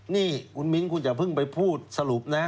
นี่คุณมิ้นคุณอย่าเพิ่งไปพูดสรุปนะ